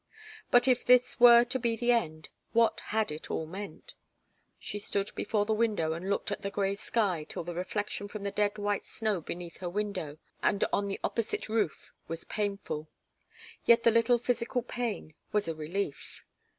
But if this were to be the end, what had it all meant? She stood before the window and looked at the grey sky till the reflection from the dead white snow beneath her window and on the opposite roof was painful. Yet the little physical pain was a relief.